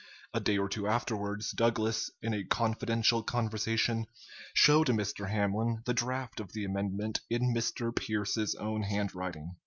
A day or two afterwards Douglas, in a confidential conversation, showed Mr. Hamlin the draft of the amendment in Mr. Pierce's own handwriting.